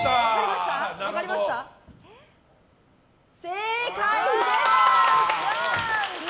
正解です！